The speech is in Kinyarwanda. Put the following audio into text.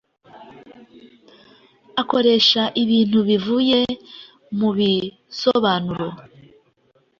akoresha ibintu bivuye mu bisobanuro